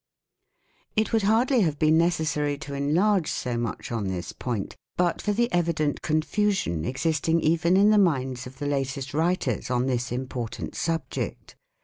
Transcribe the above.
It would hardly have been necessary to enlarge so much on this point but for the evident confusion exist ing even in the minds of the latest writers on this im portant subject.